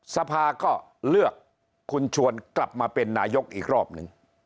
สภาก็เลือกคุณชวนกลับมาเป็นนายกอีกรอบหนึ่ง